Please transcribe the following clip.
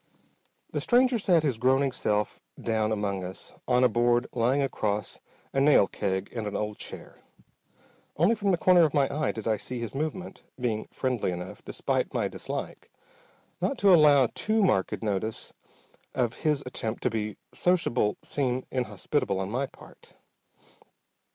The stranger sat his groaning self down among us, on a board lying across a nail keg and an old chair. Only from the corner of my eye did I see his movement, being friendly enough, despite my dislike, not to allow too marked notice of his attempt to be sociable seem inhospitable on my part.